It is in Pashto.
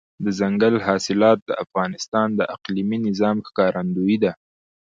دځنګل حاصلات د افغانستان د اقلیمي نظام ښکارندوی ده.